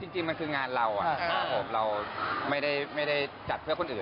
จริงมันคืองานเราเราไม่ได้จัดเพื่อคนอื่น